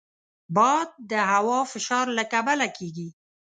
باد د هوا فشار له کبله کېږي